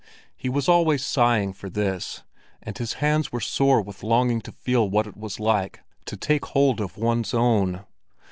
He was always sighing for this, and his hands were sore with longing to feel what it was like to take hold of one's own.